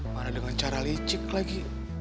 mana dengan cara licik lagi